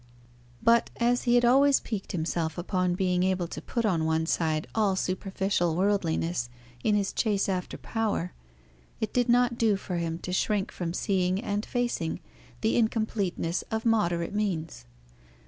But, as he had always piqued himself upon being able to put on one side all superficial worldliness in his chase after power, it did not do for him to shrink from seeing and facing the incompleteness of moderate means.